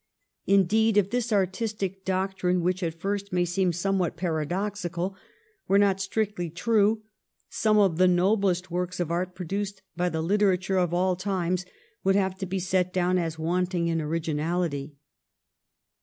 Indeed, if this artistic doctrine, which at first may seem somewhat paradoxical, were not strictly true, some of the noblest works of art produced by the literature of all times would have to be set down as wanting in originality.